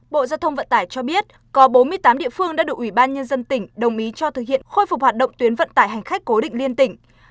bộ giao thông vận tải cho biết có bốn mươi tám địa phương đã được ủy ban nhân dân tỉnh đồng ý cho thực hiện khôi phục hoạt động tuyến vận tải hành khách cố định liên tỉnh